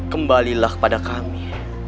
kembalilah kepada kami